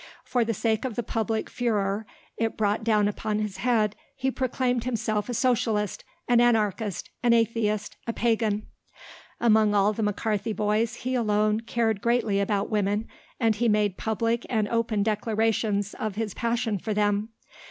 For the sake of the public furor it brought down upon his head he proclaimed himself a socialist, an anarchist, an atheist, a pagan. Among all the McCarthy boys he alone cared greatly about women, and he made public and open declarations of his passion for them.